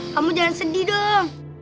kamu jangan sedih dong